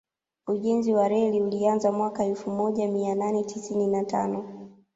Ujenzi wa reli ulianza mwaka elfu moja mia nane tisini na tano